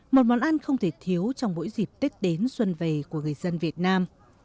một món ăn không thể thiếu trong mỗi dịp tết đến xuân về của người dân việt nam